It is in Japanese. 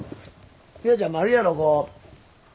美羽ちゃんもあるやろ？